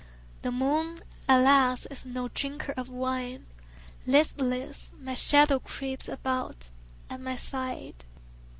The moon, alas, is no drinker of wine; Listless, my shadow creeps about at my side.